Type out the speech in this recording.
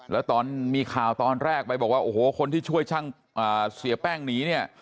แล้วตอนมีข่าวตอนแรกไปบอกว่าโอ้โหคนที่ช่วยช่างเสียแป้งหนีเนี่ย